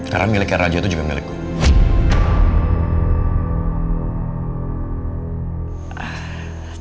karena miliknya raja itu juga milik gue